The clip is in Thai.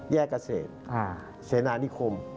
แยกเกษตรเสนานิคม